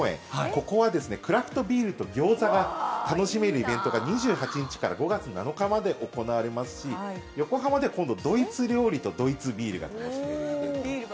ここはですね、クラフトビールとギョーザが楽しめるイベントが、２８日から５月７日まで行われますし、横浜では今度、ドイツ料理とドイツビールが楽しめるイベントが。